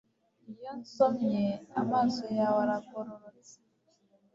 iyo nsomye, amaso yawe aragororotse